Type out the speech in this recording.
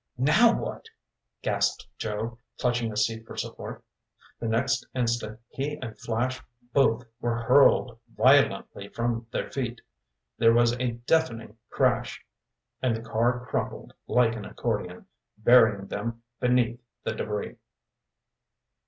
"Now what?" gasped Joe, clutching a seat for support. The next instant he and Flash both were hurled violently from their feet. There was a deafening crash, and the car crumpled like an accordion, burying them beneath the debris.